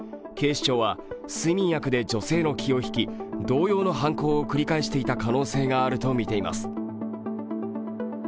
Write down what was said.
警視庁は睡眠薬で女性の気を引き同様の犯行を繰り返していた可能性があるとみています。